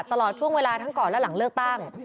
ตลอดช่วงเวลาทั้งก่อนและหลังเลือกตั้ง